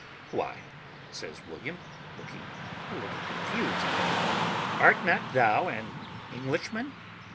"Why," says William, looking a little confused, "art not thou an Englishman?"